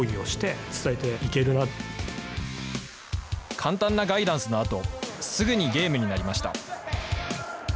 簡単なガイダンスのあと、すぐにゲームになりました。